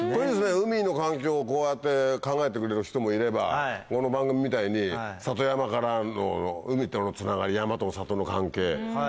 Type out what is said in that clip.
海の環境をこうやって考えてくれる人もいればこの番組みたいに里山からの海とのつながり山と里の関係。